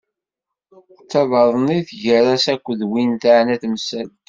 D tabaḍnit gar-as akked win teɛna temsalt.